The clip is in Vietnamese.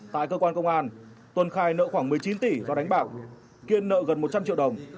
tại cơ quan công an tuân khai nợ khoảng một mươi chín tỷ do đánh bạc kiên nợ gần một trăm linh triệu đồng